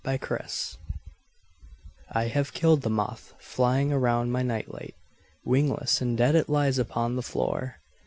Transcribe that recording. Moth Terror I HAVE killed the moth flying around my night light; wingless and dead it lies upon the floor.